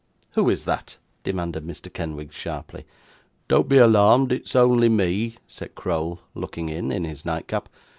'Who is that?' demanded Mr. Kenwigs, sharply. 'Don't be alarmed, it's only me,' said Crowl, looking in, in his nightcap.